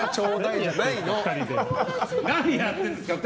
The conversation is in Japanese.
何やってるんですか？